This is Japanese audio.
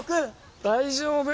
大丈夫。